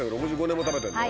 ３６５年も食べてるの？